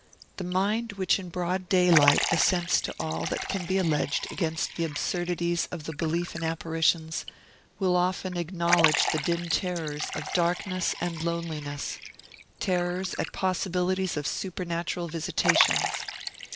The mind which in broad daylight assents to all that can be alleged against the absurdities of the belief in apparitions, will often acknowledge the dim terrors of darkness and loneliness terrors at possibilities of supernatural visitations.